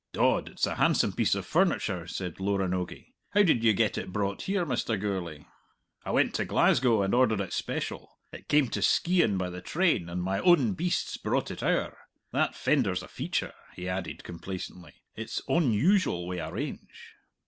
"Dod, it's a handsome piece of furniture," said Loranogie. "How did ye get it brought here, Mr. Gourlay?" "I went to Glasgow and ordered it special. It came to Skeighan by the train, and my own beasts brought it owre. That fender's a feature," he added complacently; "it's onusual wi' a range."